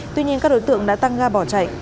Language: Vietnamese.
tuy nhiên các đối tượng đã tăng ga bỏ chạy